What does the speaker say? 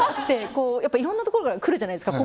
いろんなところから来るじゃないですか。